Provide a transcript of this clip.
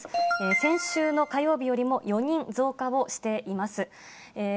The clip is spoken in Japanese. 先週の火曜日よりも４人増加をしています。